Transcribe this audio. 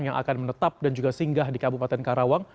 yang akan menetap dan juga singgah di kabupaten karawang